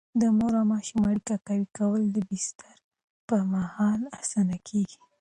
د مور او ماشوم اړیکه قوي کول د بستر پر مهال اسانه کېږي.